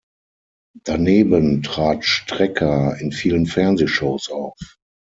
Daneben trat Strecker in vielen Fernsehshows auf.